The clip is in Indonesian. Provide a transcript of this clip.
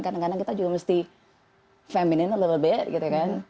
kadang kadang kita juga mesti feminine sedikit